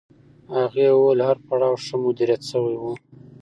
هغې وویل هر پړاو ښه مدیریت شوی و.